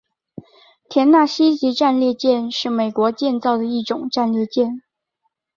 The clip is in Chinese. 田纳西级战列舰是美国建造的一种战列舰。